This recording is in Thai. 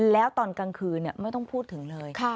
แล้วตอนกลางคืนไม่ต้องพูดถึงเลย